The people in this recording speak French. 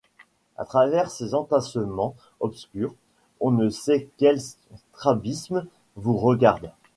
À travers ces entassements obscurs, on ne sait quel strabisme vous regarde.